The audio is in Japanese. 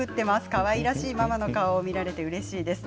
かわいらしいママの顔を見られてうれしいです。